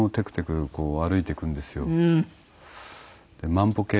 万歩計